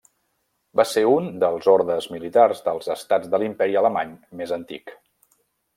Va ser un dels ordes militars dels estats de l'Imperi Alemany més antic.